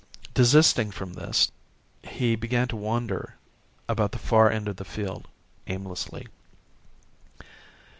Desisting from this, he began to wander about the far end of the field, aimlessly.